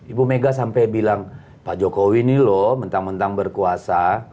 ibu mega sampai bilang pak jokowi ini loh mentang mentang berkuasa